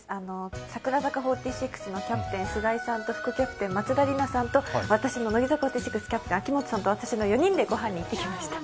櫻坂４６のキャプテン・菅井さんと副キャプテン・松田里奈さんと私の乃木坂４６キャプテンと私の４人が食事会に行ってきました。